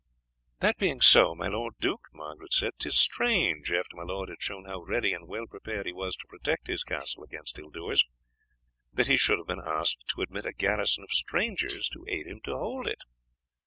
"That being so, my lord duke," Margaret said, "'tis strange, after my lord had shown how ready and well prepared he was to protect his castle against ill doers, that he should have been asked to admit a garrison of strangers to aid him to hold it.